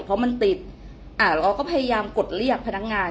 เพราะมันติดเราก็พยายามกดเรียกพนักงาน